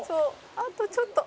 あとちょっと！」